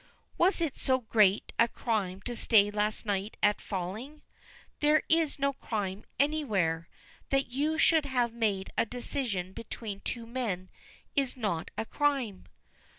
"Was it so great a crime to stay last night at Falling?" "There is no crime anywhere. That you should have made a decision between two men is not a crime."